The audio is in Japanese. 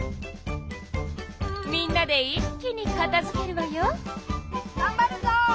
みんなで一気にかたづけるわよ。